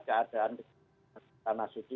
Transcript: keadaan tanah suci